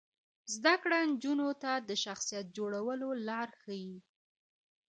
زده کړه نجونو ته د شخصیت جوړولو لارې ښيي.